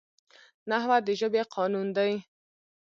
نحوه د ژبي قانون دئ.